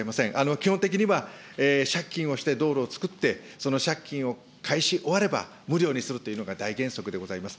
基本的には、借金をして道路を造って、その借金を返し終われば、無料にするというのが大原則でございます。